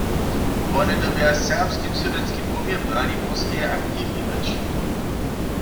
Wone dyrbja w serbskim sydlenskim rumje Braniborskeje aktiwni być.